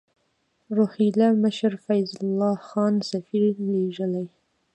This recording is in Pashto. روهیله مشر فیض الله خان سفیر لېږلی.